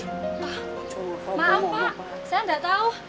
maaf pak saya gak tau